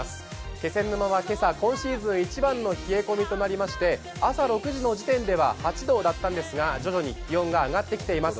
気仙沼は今朝、今シーズン一番の冷え込みとなりまして、朝６時の時点では８度だったんですが徐々に気温が上がってきています。